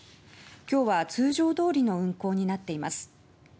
今日は通常どおりの運行になっています。